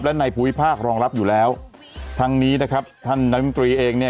และในภูมิภาครองรับอยู่แล้วทั้งนี้นะครับท่านรัฐมนตรีเองเนี่ย